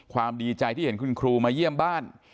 ดีใจที่เห็นคุณครูมาเยี่ยมบ้าน